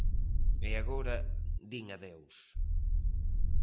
E agora din adeus...